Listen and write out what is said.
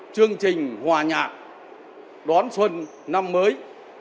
chương trình hòa nhạc đón xuân năm mới